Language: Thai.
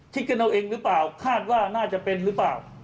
คิดกันเอาเองหรือเปล่าคาดว่าน่าจะเป็นหรือเปล่า